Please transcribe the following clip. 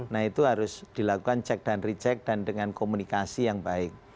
nah itu harus dilakukan cek dan recheck dan dengan komunikasi yang baik